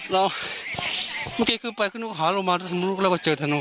เจอสามคนครับเจอพอดีเลยครับเค้าเลยหาลงมาแล้วก็เจอกันด้วย